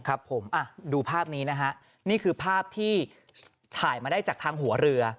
ครับผมอ่ะดูภาพนี้นะฮะนี่คือภาพที่ถ่ายมาได้จากทางหัวเรือ